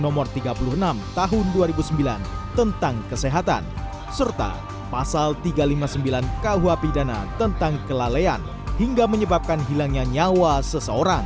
nomor tiga puluh enam tahun dua ribu sembilan tentang kesehatan serta pasal tiga ratus lima puluh sembilan kuh pidana tentang kelalaian hingga menyebabkan hilangnya nyawa seseorang